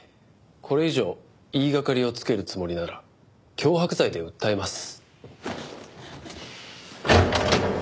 これ以上言いがかりをつけるつもりなら脅迫罪で訴えます。